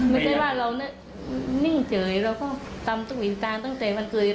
ไม่ใช่ว่าเรานิ่งเจ๋ยเราก็ตามทุกอินทางตั้งแต่วันเกรียด